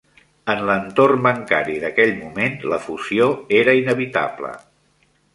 En l'entorn bancari d'aquell moment la fusió era inevitable.